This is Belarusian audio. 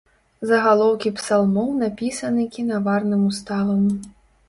Загалоўкі псалмоў напісаны кінаварным уставам.